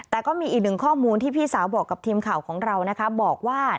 แต่ก็มีอีกหนึ่งข้อมูลที่พี่สาวบอกกับทีมข่าวของเรานะคะบอกว่า